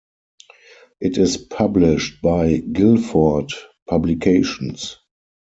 It is published by Guilford Publications.